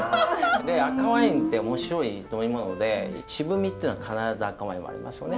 で赤ワインって面白い飲み物で渋みってのが必ず赤ワインはありますよね。